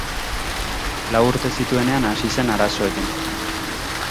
Lau urte zituenean hasi zen arazoekin.